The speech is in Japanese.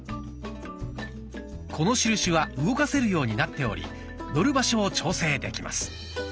この印は動かせるようになっており乗る場所を調整できます。